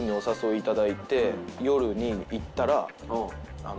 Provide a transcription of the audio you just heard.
夜に行ったら。